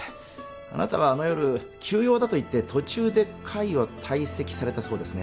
あなたはあの夜急用だと言って途中で会を退席されたそうですね